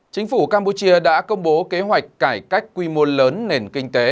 chính phủ campuchia đã công bố kế hoạch cải cách quy mô lớn nền kinh tế